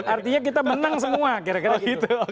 artinya kita menang semua kira kira gitu